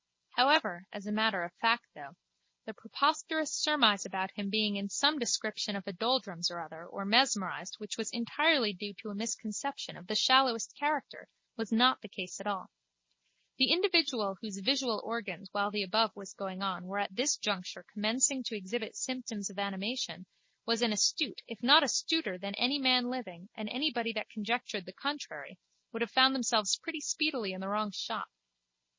However, as a matter of fact though, the preposterous surmise about him being in some description of a doldrums or other or mesmerised which was entirely due to a misconception of the shallowest character, was not the case at all. The individual whose visual organs while the above was going on were at this juncture commencing to exhibit symptoms of animation was as astute if not astuter than any man living and anybody that conjectured the contrary would have found themselves pretty speedily in the wrong shop.